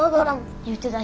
言うてたし。